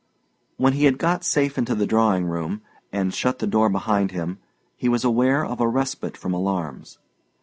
When he had got safe into the drawing room, and shut the door behind him, he was aware of a respite from alarms.